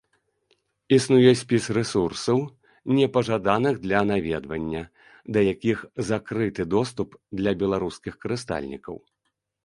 Існуе спіс рэсурсаў, непажаданых для наведвання, да якіх закрыты доступ для беларускіх карыстальнікаў.